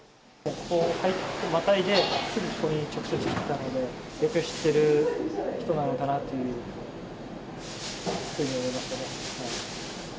ここをまたいで、すぐここに直接来てたので、よく知ってる人なのかなというふうに思いましたね。